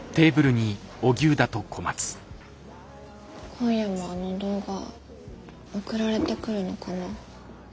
今夜もあの動画送られてくるのかな。